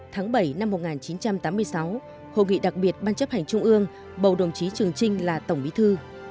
tháng bảy năm một nghìn chín trăm tám mươi sáu hội nghị đặc biệt ban chấp hành trung ương bầu đồng chí trường trinh là tổng bí thư